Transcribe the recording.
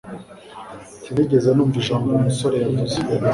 Sinigeze numva ijambo uwo musore yavuze